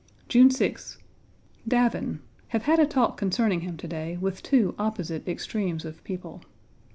June 6th. Davin! Have had a talk concerning him to day with two opposite extremes of people.